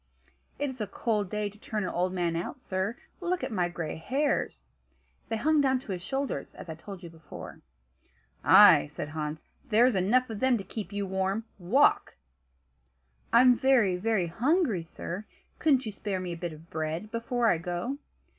"It is a cold day to turn an old man out in, sir; look at my gray hairs." They hung down to his shoulders, as I told you before. "Ay!" said Hans, "there are enough of them to keep you warm. Walk!" "I'm very, very hungry, sir; couldn't you spare me a bit of bread before I go?"